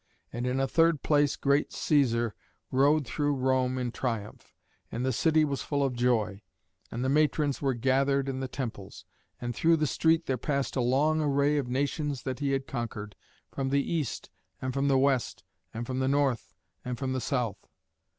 And in a third place great Cæsar rode through Rome in triumph, and the city was full of joy, and the matrons were gathered in the temples; and through the street there passed a long array of nations that he had conquered, from the east, and from the west, and from the north, and from the south.